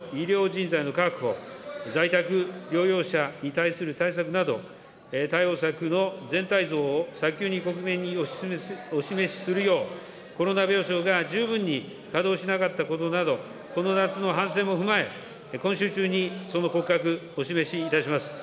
医療提供体制については、病床、医療人材の確保、在宅療養者に対する対策など、対応策の全体像を早急に国民にお示しするよう、コロナ病床が十分に稼働しなかったことなど、この夏の反省も踏まえ、今週中にその骨格、お示しいたします。